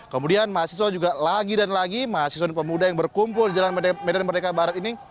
kemudian mahasiswa juga lagi dan lagi mahasiswa dan pemuda yang berkumpul di jalan medan merdeka barat ini